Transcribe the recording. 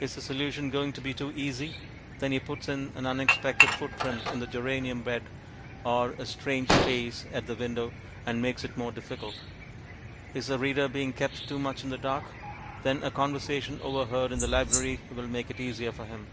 Is the solution going to be too easy! Then he puts in an unexpected footprint in the geranium bed, or a strange face at the window, and makes it more difficult, Is the reader being kept too much in the dark? Then a conversation overheard in the library will make it easier for him.